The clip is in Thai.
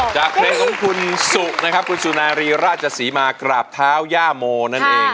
จากเพลงของคุณสุนะครับคุณสุนารีราชศรีมากราบเท้าย่าโมนั่นเอง